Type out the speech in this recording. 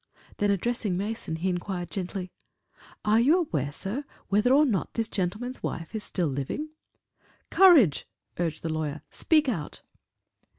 Then addressing Mason, he inquired gently, "Are you aware, sir, whether or not this gentleman's wife is still living?" "Courage," urged the lawyer; "speak out."